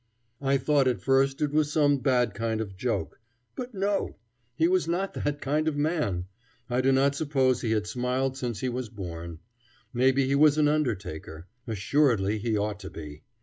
I thought at first it was some bad kind of joke; but no! He was not that kind of man. I do not suppose he had smiled since he was born. Maybe he was an undertaker. Assuredly, he ought to be.